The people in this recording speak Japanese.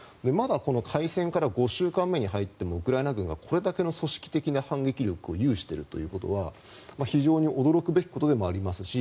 まだ開戦から５週間目に入ってもウクライナ軍がこれだけの組織的な反撃能力を有しているということは非常に驚くべきことでもあります